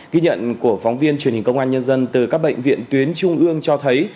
ghi nhận của phóng viên truyền hình công an nhân dân từ các bệnh viện tuyến trung ương cho thấy